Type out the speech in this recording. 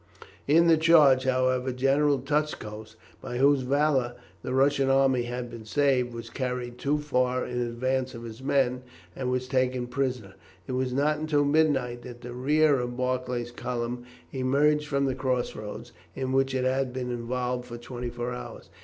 In the charge, however, General Touchkoff, by whose valour the Russian army had been saved, was carried too far in advance of his men, and was taken prisoner. It was not until midnight that the rear of Barclay's column emerged from the cross road, in which it had been involved for twenty four hours.